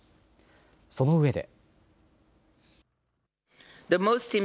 そのうえで。